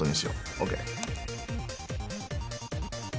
ＯＫ。